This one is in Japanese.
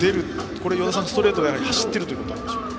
これは与田さん、ストレートが走っているということでしょうか。